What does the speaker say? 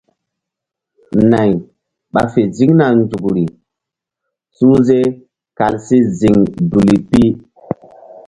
Nay ɓa fe ziŋna nzukri suhze kal si ziŋ duli pi.